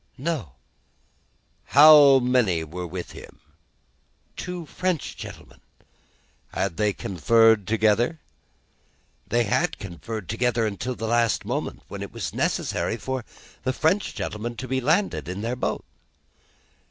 "No." "How many were with him?" "Two French gentlemen." "Had they conferred together?" "They had conferred together until the last moment, when it was necessary for the French gentlemen to be landed in their boat."